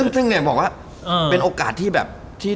ซึ่งเนี่ยบอกว่าเป็นโอกาสที่แบบที่